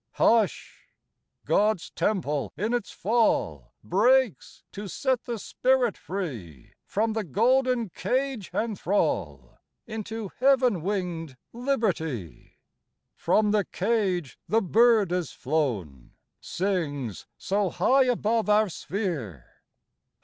Hush ! God's Temple in its fall Breaks to set the spirit free From the golden cage and thrall Into heaven winged liberty. From the cage the bird is flown, Sings so high above our sphere.